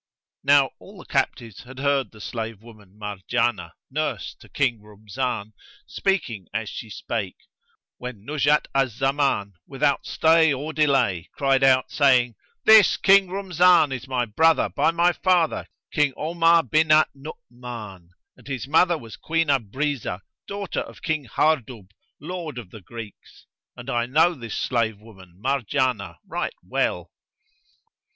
Now all the captives had heard the slave woman Marjanah, nurse to King Rumzan, speaking as she spake; when Nuzhat al Zaman, without stay or delay, cried out, saying, "This King Rumzan is my brother by my father, King Omar bin al Nu'uman, and his mother was Queen Abrizah, daughter of King Hardub, Lord of the Greeks; and I know this slave woman Marjanah right well."